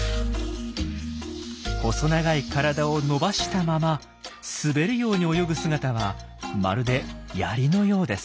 細長い体を伸ばしたまま滑るように泳ぐ姿はまるでヤリのようです。